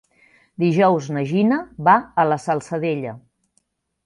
Dijous na Gina va a la Salzadella.